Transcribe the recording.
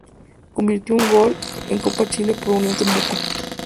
Convirtió un gol en Copa Chile por Unión Temuco.